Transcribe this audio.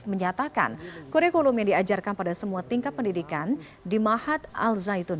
menyatakan kurikulum yang diajarkan pada semua tingkat pendidikan di mahat al zaitun